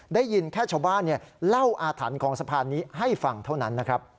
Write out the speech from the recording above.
ได้ยินแค่ชาวบ้านเล่าอาถรรพ์ของสะพานนี้ให้ฟังเท่านั้นนะครับ